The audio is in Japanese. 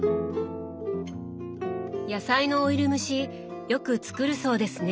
野菜のオイル蒸しよく作るそうですね。